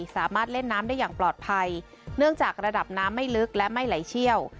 สามารถเล่นน้ำได้อย่างปลอดภัยเนื่องจากระดับน้ำไม่ลึกและไม่ไหลเชี่ยว